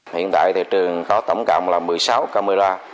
hiện tại thì trường có tổng cộng là một mươi sáu camera